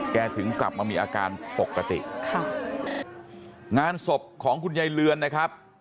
ถึงกลับมามีอาการปกติค่ะงานศพของคุณยายเรือนนะครับ